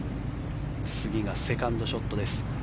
次がセカンドショットです。